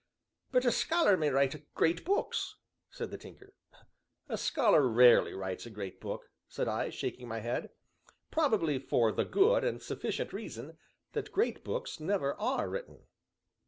"But a scholar may write great books," said the Tinker. "A scholar rarely writes a great book," said I, shaking my head, "probably for the good and sufficient reason that great books never are written."